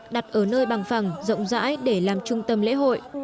đặt ở nơi bằng phẳng rộng rãi để làm trung tâm lễ hội